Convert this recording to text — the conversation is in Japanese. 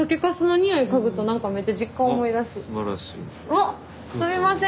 わっすみません！